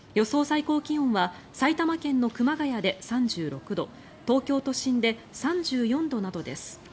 最高気温は埼玉県の熊谷で３６度東京都心で３４度などです。